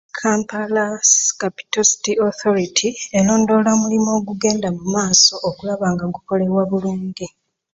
Kampala Capital City Authority erondoola omulimu ogugenda mu maaso okulaba nga gukolebwa bulungi.